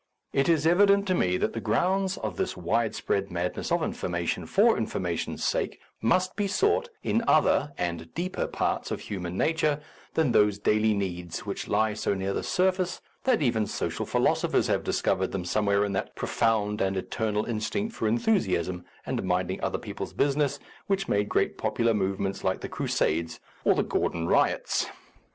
It is evident to me that the grounds of this wide spread madness of information for informa tion's sake must be sought in other and deeper parts of human nature than those daily needs which lie so near the surface that even social philosophers have discovered them somewhere in that profound and eternal instinct for enthusiasm and minding other people's business which made great popular movements like the Crusades or the Gordon Riots.